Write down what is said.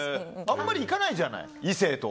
あんまり行かないじゃない異性と。